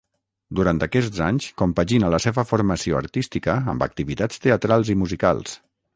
Durant aquests anys compagina la seva formació artística amb activitats teatrals i musicals.